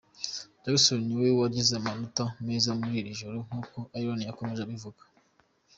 Jackson ni we wagize amanota meza muri iri joro nkuko Ian yakomeje kubivuga.